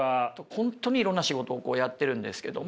本当にいろんな仕事をやってるんですけども。